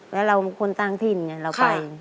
แล้วเราเป็นคนต่างถิ่นไงเราไป